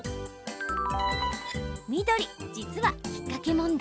緑・実は引っ掛け問題。